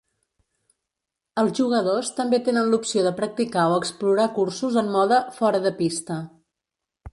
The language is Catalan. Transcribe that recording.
Els jugadors també tenen l'opció de practicar o explorar cursos en mode "fora de pista".